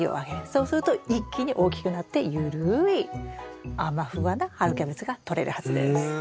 そうすると一気に大きくなってゆるいあま・フワな春キャベツがとれるはずです。